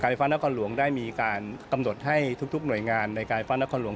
ไฟฟ้านครหลวงได้มีการกำหนดให้ทุกหน่วยงานในการฟ้านครหลวง